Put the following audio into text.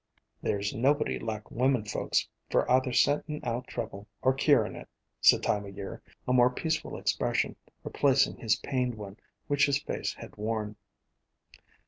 "There 's nobody like womenfolks for either scenting out trouble or curing it," said Time o' Year, a more peaceful expression replacing the pained one which his face had worn.